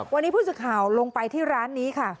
วันนี้ผู้สื่อข่าวลงไปที่ร้านนี้ค่ะ